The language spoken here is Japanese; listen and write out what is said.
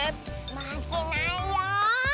まけないよ。